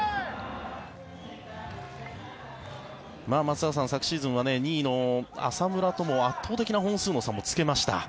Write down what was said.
松坂さん、昨シーズンは２位の浅村とも圧倒的な本数の差をつけました。